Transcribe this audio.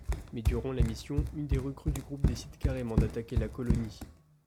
Mais durant la mission, une des recrues du groupe décide carrément d’attaquer la colonie.